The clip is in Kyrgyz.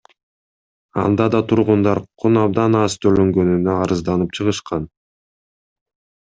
Анда да тургундар кун абдан аз төлөнгөнүнө арызданып чыгышкан.